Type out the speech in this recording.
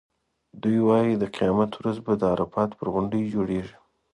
دوی وایي د قیامت ورځ به د عرفات پر غونډۍ جوړېږي.